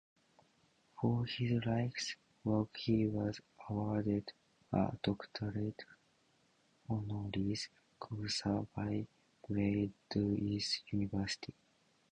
For his life's work he was awarded a Doctorate Honoris Causa by Brandeis University.